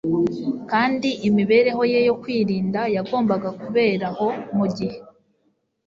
kandi imibereho ye yo kwirinda yagombaga kubera aho mu gihe